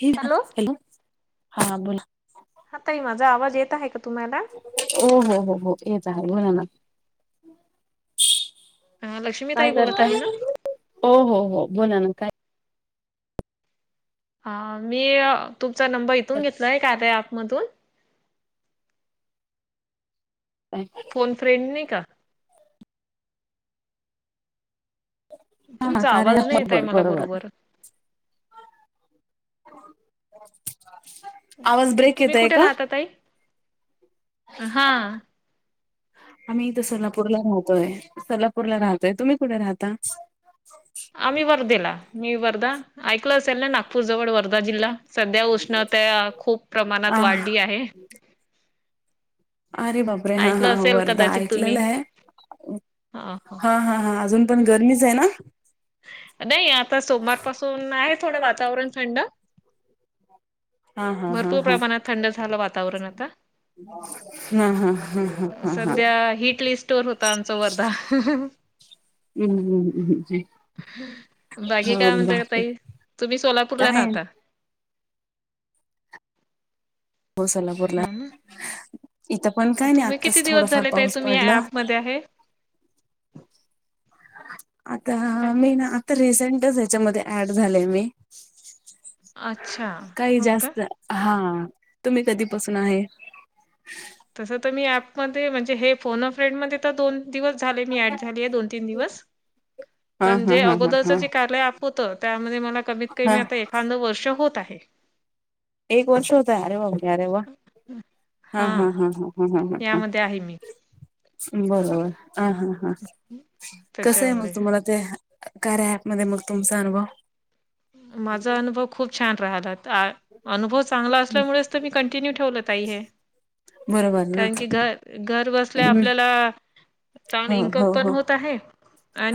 हे हॅलो हा बोला हा ताई माझा आवाज येत आहे का तुम्हाला हो हो हो हो येत आहे बोला ना अ लक्ष्मी काय ताई बोलत करता आहे ना हो हो हो बोला ना काय ह मी तुमचा नंबर इथून घेतलाय कार्या ॲपमधून अच्छा फोन फ्रेंड नाही क? हा तुमचा कार्या आवाज नाही अँप येत आहे मला बरोबर बरोबर. [inaudible] आवाज ब्रेक तुम्ही येत आहे कुठे का? राहता ताई हा आम्ही इथं सोलापूरला राहतोय सोलापूरला राहतोय तुम्ही कुठे राहता? आम्ही वर्धेला मी वर्धा ऐकलं असेल ना नागपूर जवळ वर्धा जिल्हा सध्या उष्णता खूप प्रमाणात आ वाढली आहे. अरे बापरे! हा-हां, ऐकलं असेल वर्धा कदाचित ऐकलेला तुम्ही आहे, ह ह हा-हा-हा! अजून पण गरमीच आहे ना? नाही, आता सोमवारपासून आहे थोडं वातावरण थंड. हा हा हा भरपूर प्रमाणात थंड झालं वातावरण आता. हूं-हूं हूं-हूं हूं. सध्या... हिट लिस्ट [inaudible] होता आमचा वर्धा. हम्मम्मम्मम्. बाकी काय म्हणताय ताई? तुम्ही सोलापूरला काय राहता. हो, सोलापुरला. ह ना इथं पण काय नाही, तुम्ही किती आत्ताच दिवस थोडफार झाले ताई पाऊस तुम्ही या पडला. ऍपमध्ये आहे आता... मी ना, आता रिसेंटच ह्याच्यामध्ये ऍड झालेय मी. अच्छा काही हो का जास्त... हा, तुम्ही कधीपासून आहे? तस तर मी ऍपमध्ये, म्हणजे, हे फोन-अ-फ्रेंड मध्ये तर दोन दिवस झाले, मी ऍड झालीय दोन-तीन दिवस, हा पण हा जे हा हा अगोदरच हा जे [inaudible] होतं, त्यामध्ये मला कमीत हा कमी आता एखादं वर्ष होत आहे. एक वर्ष होतंय? अरे वा, अरे वा! हा हा, हा हा! ह ह हा, हा, यामध्ये आहे मी बर-बर अ-हा. हा, कसं आहे मग, त्याच्यामुळे तुम्हाला ते, कार्या ऍप मध्ये मग तुमचा अनुभव? माझा अनुभव खूप छान राहिला. ता अनुभव चांगला असल्यामुळेच तर मी कंटिन्यू ठेवलं, ताई, हे! बरोबर ना कारण की, घ-घर बसल्या हम्म. आपल्याला चांगलं हो इनकम हो पण हो होत आहे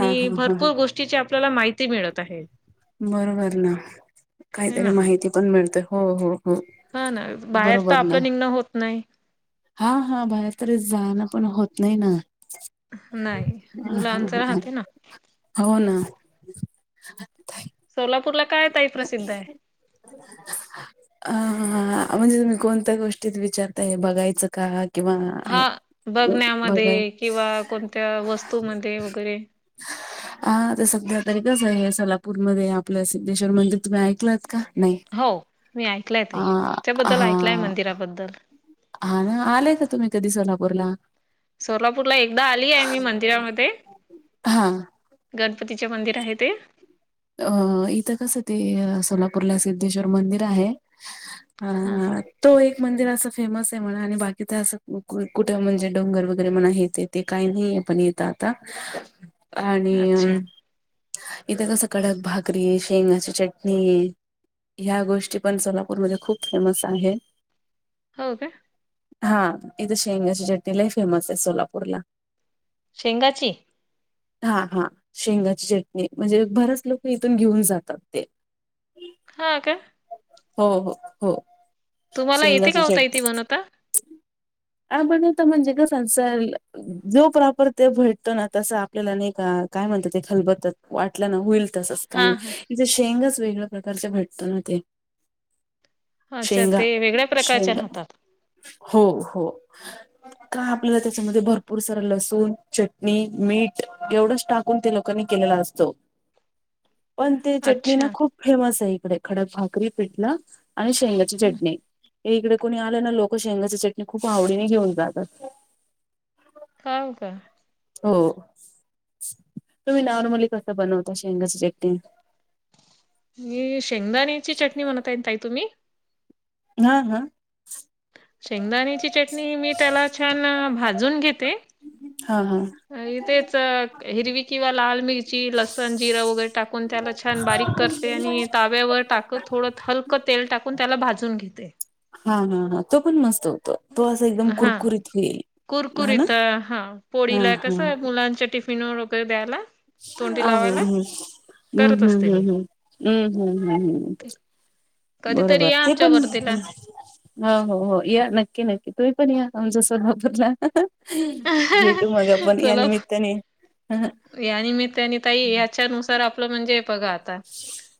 हा हा हा हा भरपूर गोष्टीची आपल्याला माहिती मिळत आहे. बरोबर ना. हे काहीतरी ना. माहिती पण मिळते. हो, हो! हो, हा ना बाहेर तर बरोबर ना. आपलं निघणं होत नाही हा-हा, बाहेर तरी जाणं पण होत नाही ना? नाही, हा हा मुलांचं हा राहते ना? हो ना. सोलापूरला काय ताई प्रसिद्ध आहे? ह ह, म्हणजे तुम्ही कोणत्या गोष्टीत विचारताय हे बघायचं का? किंवा, हा [inaudible] बघायचं. बघण्यामध्ये किंवा कोणत्या वस्तूमध्ये वगैरे हा, ते सध्या तरी कसं आहे, सोलापूरमध्ये आपल्या सिध्देश्वर मंदिर तुम्ही ऐकलत का? नाही, हो मी आ-हा! बद्दल अं, आले का तुम्ही कधी सोलापूरला? सोलापूरला एकदा आली आहे मी मंदिरामध्ये हा गणपतीचे मंदिर आहे ते? अं, इथं कस ते, अं, सोलापूरला सिद्धेश्वर मंदिर आहे. हा-हा. तो एक मंदिर असं फेमस आहे म्हणा, आणि बाकी तर असं कु-कुठं... म्हणजे डोंगर वगैरे म्हणा, हे, ते ते काही नाहीये पण इथं आता... अच्छा आणि, इथं कसं कडक भाकरी, शेंगाची चटणी ह्या गोष्टी पण सोलापूरमध्ये खूप फेमस आहेत. हो, का? हा, इथे शेंगाची चटणी लय फेमस आहे सोलापूरला. शेंगाची? हा, हा, शेंगाची चटणी, म्हणजे बरंच लोक इथून घेऊन जातात ते. हा, का? हो-हो, हो. तुम्हाला येते का शेंगाची हो ताई ती बनवता? आ बण तण जगा संसारला जो प्रॉपर ते भेटतो ना तस आपल्याला नायका काय म्हणतात ते खलबत्यात वाटल्या ना होईल. तसच हां कायन हां इथ शेंगच वेगळ्या प्रकारचे भटत ना ते अच्छा शेंगा ते वेगळ्या प्रकारच्या शेंगा राहतात. हो हो. [inaudible] का आपल्याला त्याच्यामध्ये भरपूर सारा लसूण चटणी मीठ एवढंच टाकून त्या लोकांनी केलेलं असत त. पण ते चटणी ना अच्छा खूप फेमस आहे इकडे खडक भाकरी पीठल आणि शेंगाची चटणी, इकडे कोणी आले ना लोक शेंगाची चटणी खूप आवडीने घेऊन जातात. काय का? हो तुम्ही नॉर्मली कस बनवता शेंगाचं चटणी मी शेंगदाण्याची चटणी म्हणताय ताई तुम्ही? हा हा. शेंगदाणीची चटणी मी त्याला छान भाजून घेते हा हा. तेच हिरवी किंवा लाल मिरची लसण जिरा वगैरे टाकून त्याला छान बारीक करते आणि ताव्यावर टाकत थोडं हलकं तेल टाकून त्याला भाजून घेते. हा हा हा तो पण मस्त होत तो असं एकदम कुरकुरीत होईल हा ना कुरकुरीतं हा हा पोळीला हा कसं आहे मुलांच्या टिफिनवर वगैरे द्यायला अ तोंडी लावायला हम् हम् हम्म करत असते हम्म मी. हम्म हम्म हम्म हम्म. कधीतरी बरोबर या ते आमच्या पण वर्धेला. हो हो हो या नक्की नक्की तुम्ही पण या आमच्या सोलापूरला. भेटू मग आपण या चला निमित्ताने हं, हं. या निमीत्ताने ताई ह्याच्यानुसार आपलं म्हणजे बघा आता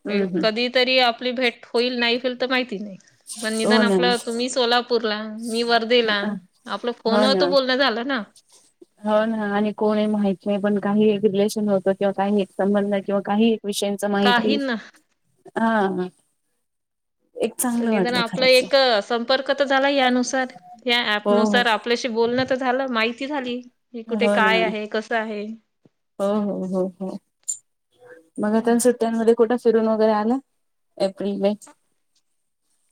हं, हं. कधीच तरी आपली भेट होईल नाही होईल तर माहिती नाही पण हो निदान ना. आपलं तुम्ही सोलापूर पूरला मी वर्धेला हं. आपलं हो फोनवर तो ना. बोलणं झालं ना हो ना आणि कोण माहित नाही पण काही रिलेशन होतं किंवा काही हित संबंध किंवा काही विषयांच माहिती काही ना हा एक तर चांगलं निदान वाटलं आपला खरंच. एक संपर्क तर झाला यानुसार या ऍप हो, हो. नुसार आपल्याशी बोलण झालं माहिती झाली हे कुठे हो ना. काय आहे कसं आहे हो हो हो हो मग हं. आता सुट्या मध्ये मध्ये कुठं फिरून वगैरे आला एप्रिल मे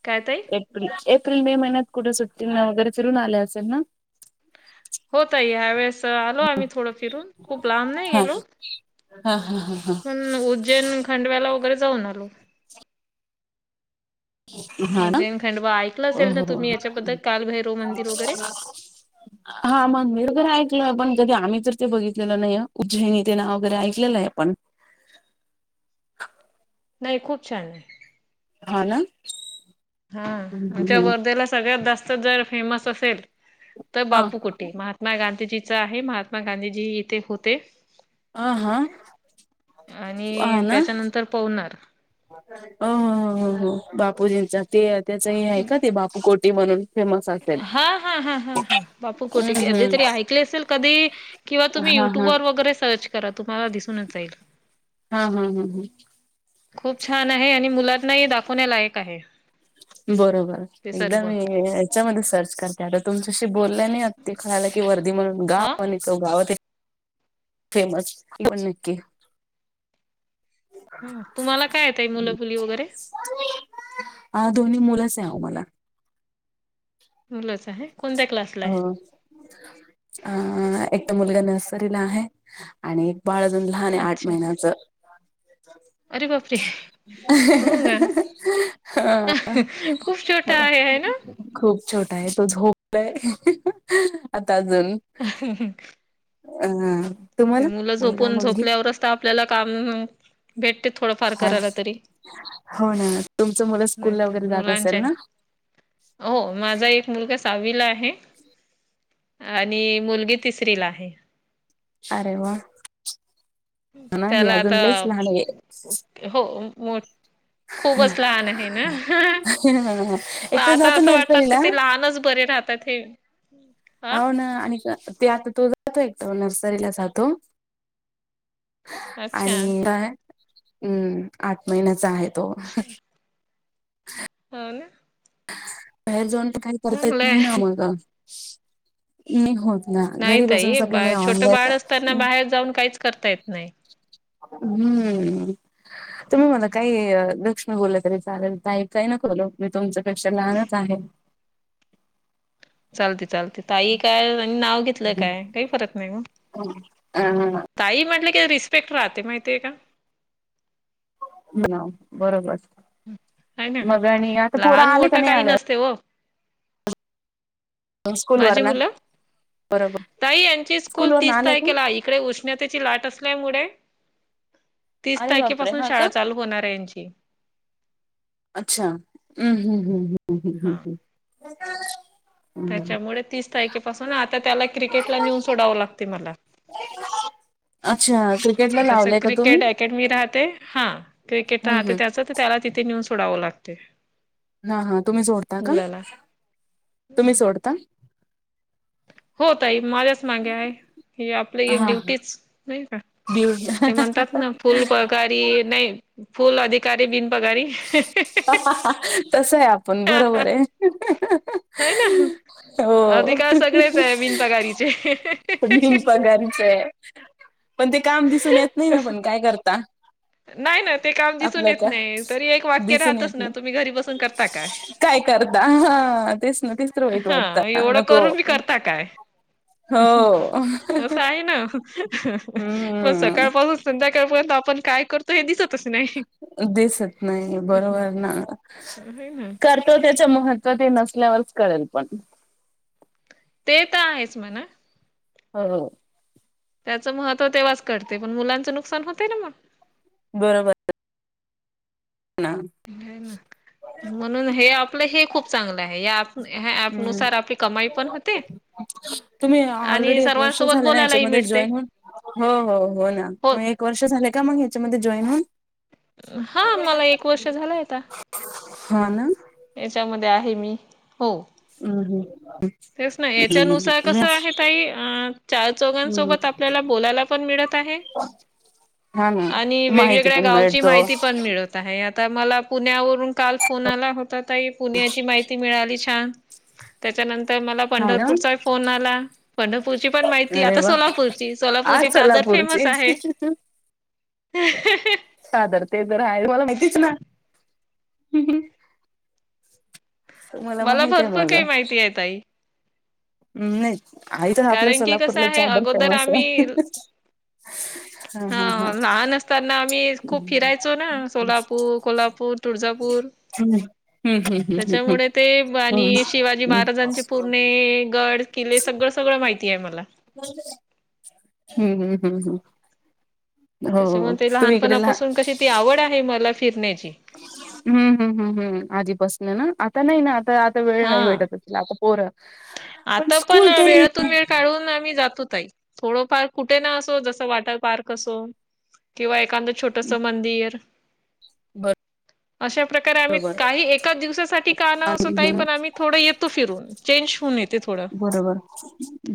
काय ताई? एप्रिल एप्रिल मे महिन्यात कुठे सुट्टीने वगैरे फिरून आले असेल ना? होत आहे ह्या वेळेस आलो आम्ही थोडं फिरून खूप लांब नाही हा गेलो हा हा हा हा. उज्जैन खंडव्याला वगैरे जाऊन आलो. हा ना उज्जैन खंडवा ऐकलं हो असेल ना हो हो तुम्ही याच्याबद्दल हो. कालभैरव मंदिर वगैरे? [inaudible] हा मंदिर पण ऐकलोय, पण कधी आम्ही तर ते बघितलेलं नाहीय उज्जैनी ते नाव वगैरे ऐकलेलं आहे पण नाही खूप छान आहे. हा ना. हा हं, आमच्या हं. वर्धेला सगळ्यात जास्त जर फेमस असेल तर हा बापू कुट महात्मा गांधीजीचा आहे महात्मा गांधीजी इथे होते. हा हा आणि त्याच्यानंतर पवनार अ हो हो हो बापूजींचा ते त्याच आहे का ते बापू कोटी म्हणून? फेमस आहे. हा हा हा हा हा बापू कोठे हम्म कधी तरी हम्म ऐकले असेल कधी किंवा तुम्ही हा युट्यूब हा वर वगैरे सर्च करा तुम्हाला दिसूनच येईल हा हा हा हा खूप छान आहे आणि मुलांनाही दाखवण्यालायक आहे बरोबर ते सर्व. एकदम याच्यामध्ये सर्च करते आता तुमच्याशी बोलल्या नाही ते खायला की वर्दी म्हणून अ गाव तो गावात फेमस पण नक्की ह तुम्हाला काय येत आहे मुलंबुली वगैरे अ दोन्ही मुलंच आह मला मुलच आहे कोणत्या क्लास हो अ एकट मुलगा नर्सरीला आहे आणि बाळाजण लहान आहे आठ अच्छा. महिन्याच अरे बापरे! हो अ का? हा खूप छोटा आहे, आहे ना? हो खूप छोटा आहे तो झोपला आहे आता अजून ह हं मुलं झोपून झोपल्यावरच तर आपल्याला काम भेटते थोडंफार हा करायला तरी हो ना तुमचं मुलं स्कूल ला नाहीतर वगैरे जात मुलांच्या असेल ना हो माझा एक मुलगा सावीला आहे आणि मुलगी तिसरी ला आहे अरे वा ना हे त्याला आता अजून लच लहान आहे हो मो खूपच लहान आहे ना म एक तर आता जातो असं वाटतात क नर्सरीला ते लहानच बरे राहतात ता ते हो ना आणि ते आता तो जातो एक नर्सरीला जातो अच्छा आणि काय हम् आठ महिन्याच आहे तो ह ना बाहेर जेऊन ते काही करता येत चांगलंय. नाही ना आमग नाही होत ना नाही घरी ताई बसूनच बा आपल्यालावन छोटं द्यायच बाळ असताना बाहेर जाऊन काहीच करता येत नाही हम्म तुम्ही मला काही लक्ष्ण बोललं तरी चालेल काही नकल मी तुमच्यापेक्षा लहानच आहे चालते चालते ताई काय आणि नाव घेतलं काय काही परत नाही ग अ ताई म्हटलं की रिस्पेक्ट राहते माहितीये का ह बरोबर मग आणि आता पोर आले का नाही आल्या अस हो स्कूल वर माझी ना मुलं बरोबर ताई यांची स्कूल वर ना तीस आले का तारखेला इकडेष् उष्णतेची लाट असल्यामुळे तीस अरे बापरे तारखेपासून हा का शाळा चालू होणार आहे यांची अच्छा हम्म हम्म हम्म हम्म्म हम्म हम्म हा हम्म त्याच्यामुळे तीस तारखेपासून आता त्याला क्रिकेटला नेऊन सोडावं लागते मला अ त्याच तुम्ही क्रिकेट अकॅडमी राहते हा क्रिकेट हम्म राहते हम्म त्याचच त्याला तिथे नेऊन सोडावं लागते हा हा तुम्ही सोडता का मुलाला तुम्ही सोडता होतई माझ्याच मागे आहे आपली हा एक हा ड्युटीच नाही का बिव ते म्हणतात ना फुल पगारी नाही फुल अधिकारी बिन पघारी तस आहे आपण बरोबर आहे हो ना हो अधिकार सगळेच आहे बिनपगारीचे मीन पघारचं आहे पण ते काम दिसून येत नाही ना पण काय करता नाही ना ते काम दिसून आपलं येत का नाही तरी एक वाक्य दिसून राहतच येत ना नाही तुम्ही घरी बसून करता काय काय करता ह तेच ना तिसरं वाईट वाटत नको ुम्ही करता काय हो च आहे ना म सकार हम्म पाल संध्याकाळपर्यंत आपण काय करतो हे दिसतच नाही दिसत नाही बरोबर ना है ना तो त्याच महत्त्व ते नसल्यावरच कळेल पण ते तर आहेच म्हणा हो हो त्याचं महत्त्व तेव्हाच कळते पण मुलांचं नुकसान होतय ना मग बरोबर ह घन म्हणून हे आपलं हे खूप चांगलं आहे या ह्या ऍप हम्म नुसार आपली कमाई पण होते तुम्ही आणि ऑलरेडी एक वर्ष सर्वांसोबत झाले ना बोलायलाही याच्यामध्ये मिळते जॉईन होन हो हो हो ना तुम्ही एक वर्ष झाले का मग ह्याच्यामध्ये जॉईन होन हा मला एक वर्ष झालंयता हा ना याच्यामध्ये आहे मी हो हम हम तेच ना याच्यानुसार कसं आहे तई अ चार हम्म चौघांसोबत आपल्याला बोलायला पण मिळत आहे हा ना आणि माहिती वेगवेगळ्या पण गावची मिळतो माहिती पण मिळत आ हे आता मला पुण्यावरून काल फोन आला होता तई पुण्याची माहिती मिळाली छान त्याच्यानंतर मला हा ना पंढरपूरचाही फोन आला पंढरपूरची पण माहिती अरे आता वा सोलापूरची आज सोलापूरची चादर फेमस सोलापूरची आहे ह साधर ते तर आहे मला माहितीच ना तुमला मला माहित आहे भरपूर माझा काही माहिती आहे ताई हम् नाही आ तरच आपल्या कारण की कसं सोलापूरला आहे चादर अगोदर फेमस आहे आम्ही [inaudible] हा लहान असताना आम्ही खूप हम्म फिरायचो ना हम्म सोलापूर कोल्हापूर तुळजापूर हम्म हम्म हम्म हम्म त्याच्यामुळे ते आणि हम्म शिवाजी हम्म महाराजांचे पूर्णे गड किले सगळं सगळं माहिती आहे मला हम्म हम्म हम्म हम्म हो हो. त्याच्यामुळेग ते तुम्ही इकडे लहा लहानपणापासून कशी ती आवड आहे मला फिरण्याची हम् हम् हम् हम् आधीपासून ना आता नाही ना आता आता वेळ नाही हा भेटतच पर आता पण वेळ वेळ काढून आम्ही जातोत थोडंफार कुठे ना असो जसं वॉटर पार्क असो किंवा एखाद छोटस मंदिर अशा प्रकारे आम्ही बरोबर काही एकाच दिवसासाठी काण आणि- असोतही हम्म. पण आम्ही थोडं येत फिरून चेंज होऊन येत बरोबर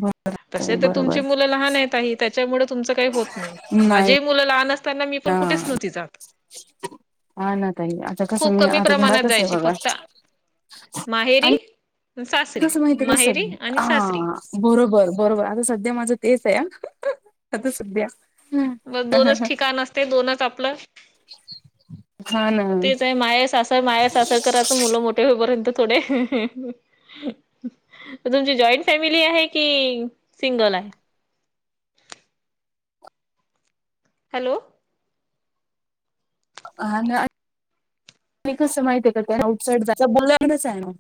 बर तसे तर बरोबर तुमची मुलं लहान आहेत त्याच्यामुळे तुमच काही होत नाही नाही माझेही मुलं लहान त्यांना मी ना पण कुठेच नव्हती जात हा ना तई आता कस खूप मी कमी आता प्रमाणात घरातच आहे जायची बघा... फक्त आणि माहेरी- सासरी... कसं माहिती माहेरी आणि सासरी. हा.... बरोबर -बरोबर आता सध्या माझं तेच आहे आता सध्या... म दोनच हम्म. ठिकाण असते दोनच आपलं हा ना तेच आहे माहेर- सासर अस... माझ्या सासर कडचे मुलं मोठे होईपर्यंत थोडे.... तुमची जॉईंट फॅमिली आहे कि सिंगल आहे? हॅलो.... हा ना..... मी कसं माहित आहे का त्या आउटसाइड, बोलाच आहे ना?